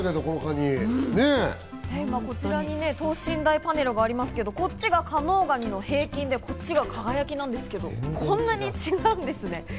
こちらに等身大パネルがありますけど、こちらが加能がにの平均でこちらが輝なんですけど、こんなに違うんですね。